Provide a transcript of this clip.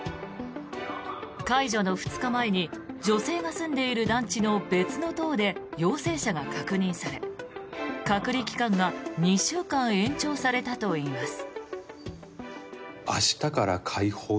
解除の２日前に女性が住んでいる団地の別の棟で陽性者が確認され、隔離期間が２週間延長されたといいます。